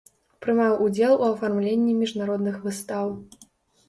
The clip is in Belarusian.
Прымаў ўдзел у афармленні міжнародных выстаў.